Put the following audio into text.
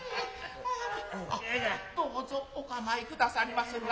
どうぞお構いくださりまするな。